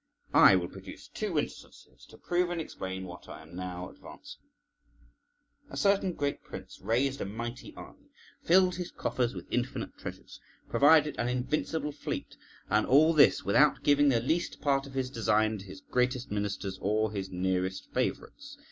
I will produce two instances to prove and explain what I am now advancing. A certain great prince {126a} raised a mighty army, filled his coffers with infinite treasures, provided an invincible fleet, and all this without giving the least part of his design to his greatest ministers or his nearest favourites.